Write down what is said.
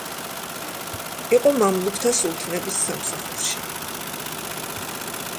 იყო მამლუქთა სულთნების სამსახურში.